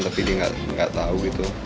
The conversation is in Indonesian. tapi dia nggak tahu gitu